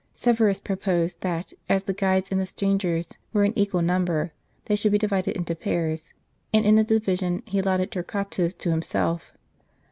Severus proposed that, as the guides and the strangers Avere in equal number, they should be divided into pairs ; and in the division he allotted Torquatus to himself.